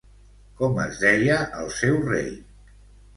Com es deia el seu rei?